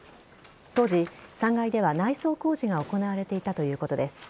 当時、３階では内装工事が行われていたということです。